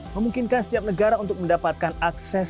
memungkinkan setiap negara untuk mendapatkan akses